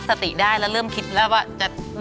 แม่บ้านประจันบัน